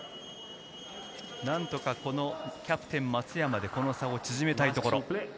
何とか、このキャプテン松山で、この差を縮めたいところ。